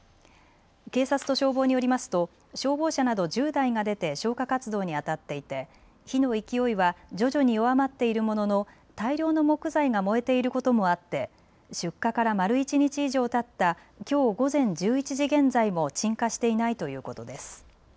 警察と消防によりますと消防車など１０台が出て消火活動にあたっていて火の勢いは徐々に弱まっているものの大量の木材が燃えていることもあって出火から丸一日以上たったきょう午前１１時現在も鎮火していないということです。